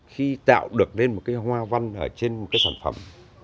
khi tạo được lên một cái hoa văn ở trên một cái sản phẩm